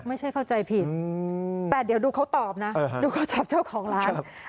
เข้าใจผิดแต่เดี๋ยวดูเขาตอบนะดูเขาตอบเจ้าของร้าน